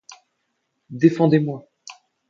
Défendez-moi!